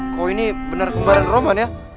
kok ini bener kembaran roman ya